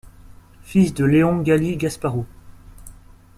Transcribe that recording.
Fils de Léon Galy-Gasparrou.